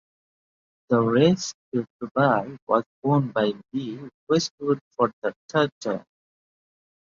The Race to Dubai was won by Lee Westwood for the third time.